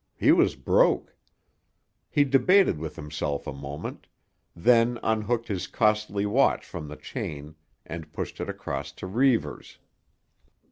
He was broke. He debated with himself a moment, then unhooked his costly watch from the chain and pushed it across to Reivers.